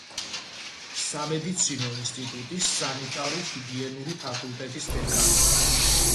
სამედიცინო ინსტიტუტის სანიტარულ–ჰიგიენური ფაკულტეტის დეკანი.